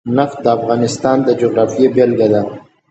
نفت د افغانستان د جغرافیې بېلګه ده.